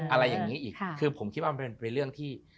อะไรอย่างนี้อีกคือผมคิดว่ามันเป็นเรื่องที่